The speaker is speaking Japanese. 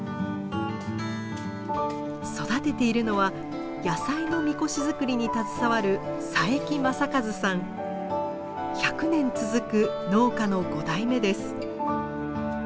育てているのは野菜の神輿作りに携わる１００年続く農家の５代目です。